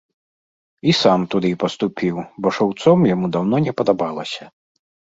І сам туды паступіў, бо шаўцом яму даўно не падабалася.